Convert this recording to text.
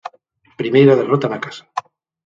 Primeira derrota na casa.